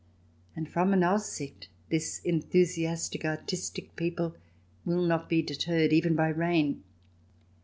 And from an Aussicht this enthusiastic artistic people will not be deterred even by rain.